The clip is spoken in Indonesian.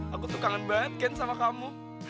aku tuh kangen banget kan sama kamu